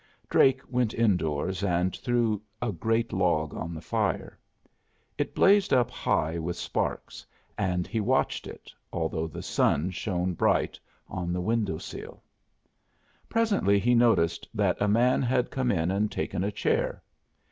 Drake went in doors and threw a great log on the fire. It blazed up high with sparks, and he watched it, although the sun shown bright on the window sill. Presently he noticed that a man had come in and taken a chair.